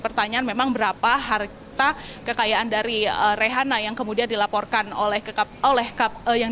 pertanyaan memang berapa harta kekayaan dari rehana yang kemudian dilaporkan oleh kap yang